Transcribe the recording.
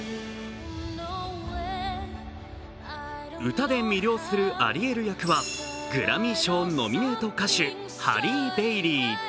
歌で魅了するアリエル役はグラミー賞ノミネート歌手ハリー・ベイリー。